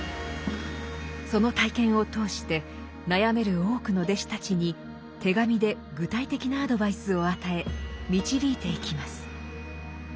その体験を通して悩める多くの弟子たちに手紙で具体的なアドバイスを与え導いていきます。